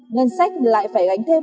ngân sách lại phải gánh thêm